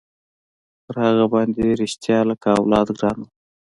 پر هغه باندې رښتيا لکه اولاد ګران وم.